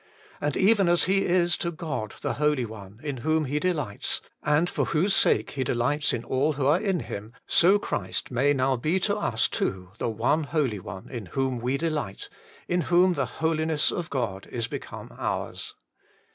And even as He is to God the Holy One, in whom He delights, and for whose sake He delights in all who are in Him, so Christ may now be to us too the One Holy One in whom we delight, in whom the Holiness of God is become ours.